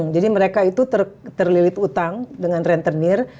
jadi mereka itu terlilit utang dengan rentenir